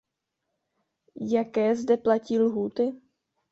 Jaké zde platí lhůty?